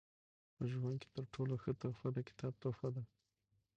په ژوند کښي تر ټولو ښه تحفه د کتاب تحفه ده.